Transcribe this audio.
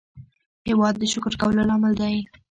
هېواد د شکر کولو لامل دی.